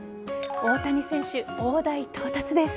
大谷選手、大台到達です。